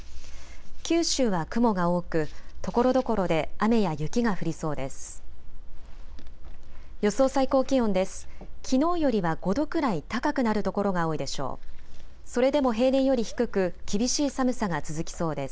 九州は雲が多くところどころで雨や雪が降りそうです。